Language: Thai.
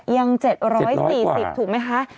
ยัง๗๔๐ถูกไหมคะ